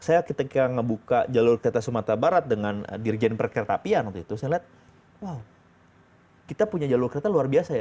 saya ketika ngebuka jalur kereta sumatera barat dengan dirjen perkereta apian waktu itu saya lihat wow kita punya jalur kereta luar biasa ya